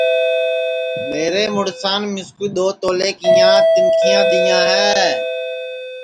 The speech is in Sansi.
میرے مُُڑسان مِسکُو دؔو تولیے کیاں تینٚکھیا دؔیاں ہے